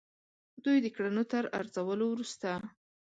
دوی د کړنو تر ارزولو وروسته.